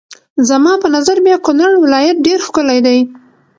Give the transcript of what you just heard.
زما په نظر بیا کونړ ولایت ډېر ښکلی دی.